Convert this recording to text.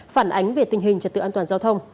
phản ánh về tình hình trật tự an toàn giao thông